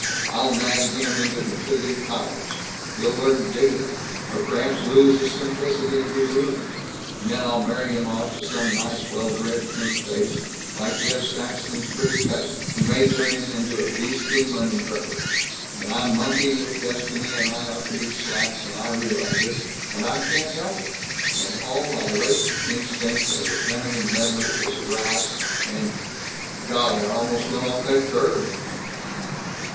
I'll nag him into completing college. He'll learn dignity or perhaps lose his simplicity and be ruined; and then I'll marry him off to some nice well bred pink face, like Jeff Saxton's pretty cousin who may turn him into a beastly money grubber; and I'm monkeying with destiny, and I ought to be slapped, and I realize it, and I can't help it, and all my latent instinct as a feminine meddler is aroused, and golly, I almost went off that curve!"